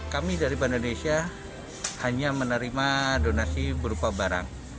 kami dari bank indonesia hanya menerima donasi berupa barang